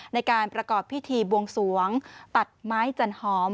ในการประกอบพิธีบวงสวงตัดไม้จันหอม